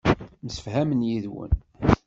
Msefhamen yid-wen.